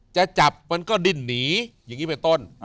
จะจับมันก็ดิ้นหนีอย่างนี้เป็นต้น